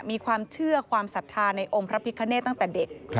มีความเชื่อความศรัทธาในองค์พระพิคเนตตั้งแต่เด็ก